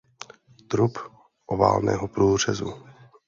Trup oválného průřezu.